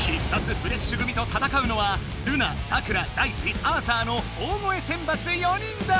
フレッシュ組と戦うのはルナサクラダイチアーサーの大声選抜４人だ！